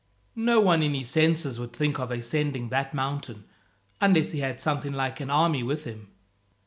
No one in his senses would think of ascending that mountain, unless he had something like an army with him."